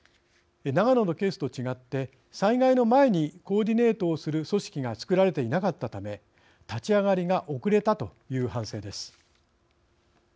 長野のケースと違って災害の前にコーディネートをする組織が作られていなかったため立ち上がりが遅れたという反省です。